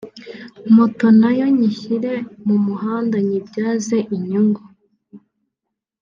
moto nayo nyishyire mu muhanda nyibyaze inyungu”